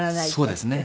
そうですね。